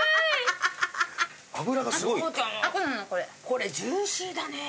これジューシーだね。